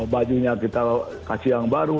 bajunya kita kasih yang baru